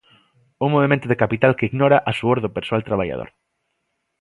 Un movemento de capital que ignora a suor do persoal traballador.